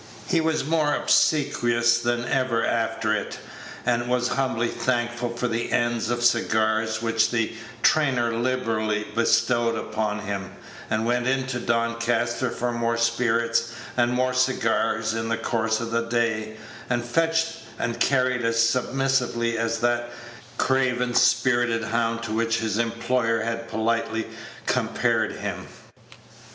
He was more obsequious than ever after it, and was humbly thankful for the ends of cigars which the trainer liberally bestowed upon him, and went into Doncaster for more spirits and more cigars in the course of the day, and fetched and carried as submissively as that craven spirited hound to which his employer had politely compared him.